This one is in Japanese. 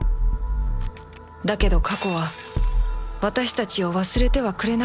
だけど過去は私たちを忘れてはくれなかったのだ